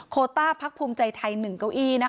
โคต้าพักภูมิใจไทย๑เก้าอี้